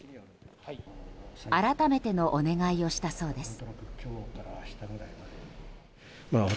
改めてのお願いをしたそうです。